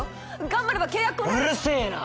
頑張れば契約うるせえな！